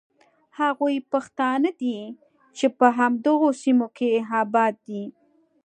هغوی پښتانه دي چې په همدغو سیمو کې آباد دي.